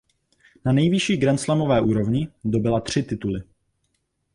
Na nejvyšší grandslamové úrovni dobyla tři tituly.